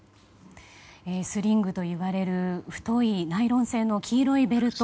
スリングと呼ばれる太いナイロン製の黄色いベルト